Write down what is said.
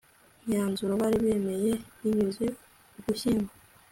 myanzuro bari bemeye binyuze ugushyingo